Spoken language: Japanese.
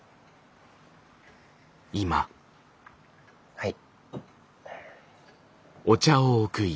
はい。